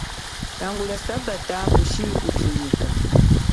Tangwa lia sambata kushi kuthumika.